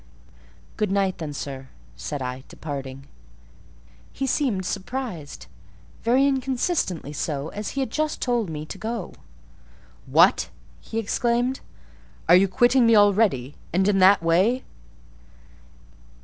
"Good night, then, sir," said I, departing. He seemed surprised—very inconsistently so, as he had just told me to go. "What!" he exclaimed, "are you quitting me already, and in that way?"